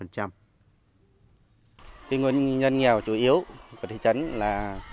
cái nguồn nhân nghèo chủ yếu của thị trấn là